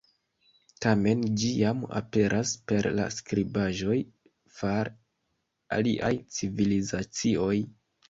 Tamen ĝi jam aperas per la skribaĵoj far aliaj civilizacioj.